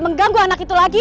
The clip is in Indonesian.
mengganggu anak itu lagi